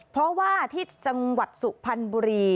เพราะว่าที่จังหวัดสุพรรณบุรี